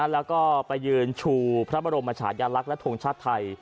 แล้วก็ไปยืนชูพระบรมชายลักษณ์และทงชาติไทย